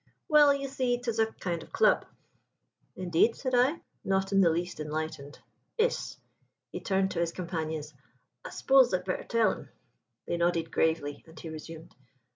"'Well, you see, 'tis a kind o' club.' "'Indeed?' said I, not in the least enlightened. "'Iss;' he turned to his companions. 'I s'pose I'd better tell en?' They nodded gravely, and he resumed.